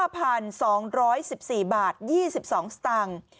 ๒๑๔บาท๒๒สตางค์